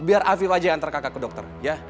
biar afif aja antar kakak ke dokter ya